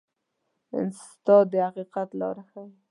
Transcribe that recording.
استاد د حقیقت لاره ښيي.